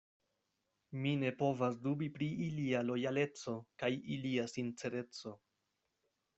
Mi ne povas dubi pri ilia lojaleco kaj ilia sincereco.